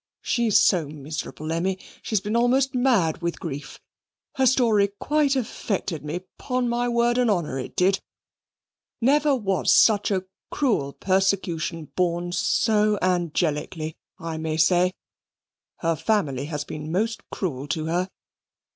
She's so miserable, Emmy. She has been almost mad with grief. Her story quite affected me 'pon my word and honour, it did never was such a cruel persecution borne so angelically, I may say. Her family has been most cruel to her."